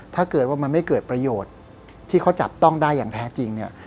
ถ้าเกิดว่ามันไม่เกิดประโยชน์ที่เขาจับต้องได้อย่างแท้จริงเนี่ย